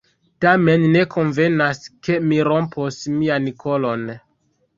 Tamen, ne konvenas, ke mi rompos mian kolon.